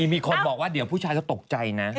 มีคนบอกว่าเดี๋ยวผู้ชายจะตกใจนะ